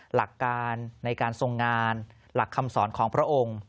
หลักการในการทรงงานหลักคำสอนของพระองค์